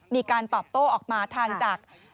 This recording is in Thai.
มีการตอบโต้ออกมาทางจาก